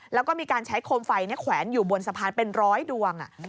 แล้วก็มีการใช้โคมไฟแขวนอยู่บนสะพานเป็นร้อยดวง